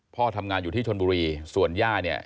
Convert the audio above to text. พ่อทำงานอยู่ที่ชนบุรีส่วนย่าเนี่ย